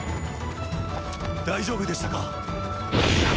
大丈夫でしたか？